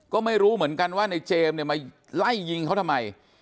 ก็ไม่รู้เหมือนกันว่าในเจมส์เนี่ยมาไล่ยิงเขาทำไม